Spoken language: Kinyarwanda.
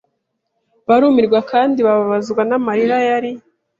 Barumirwa kandi bababazwa n'amarira yari